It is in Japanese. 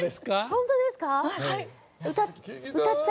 ホントですか？